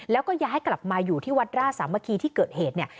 แล้วก็ย้ายกลับมาอยู่ที่วัดร่าศาสตร์เมื่อกี้ที่เกิดเหตุเนี่ย